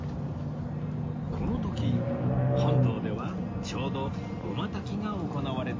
この時本堂ではちょうど護摩焚きが行われていました